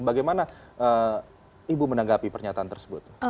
bagaimana ibu menanggapi pernyataan tersebut